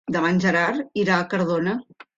Demà en Gerard irà a Cardona.